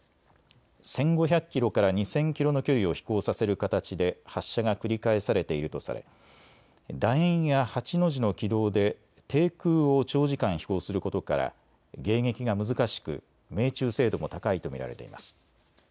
１５００キロから２０００キロの距離を飛行させる形で発射が繰り返されているとされだ円や８の字の軌道で低空を長時間飛行することから迎撃が難しく命中精度も高いと見られています。